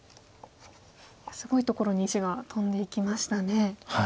すごいところに石が飛んでいきましたね。